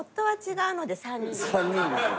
３人です。